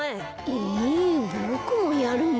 えボクもやるの？